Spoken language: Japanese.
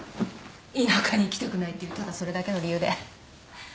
田舎に行きたくないっていうただそれだけの理由で。